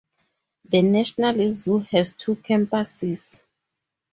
The National Zoo has two campuses.